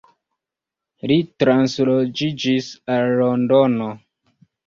Li transloĝiĝis al London.